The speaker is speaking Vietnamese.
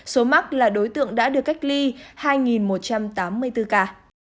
số mắc là đối tượng đã được cách ly hai một trăm tám mươi bốn ca